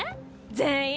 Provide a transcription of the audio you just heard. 全員？